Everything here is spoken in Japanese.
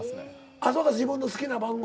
そうか自分の好きな番号。